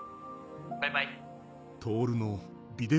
バイバイ。